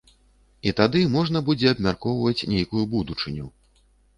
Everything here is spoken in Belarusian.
І тады можна будзе абмяркоўваць нейкую будучыню.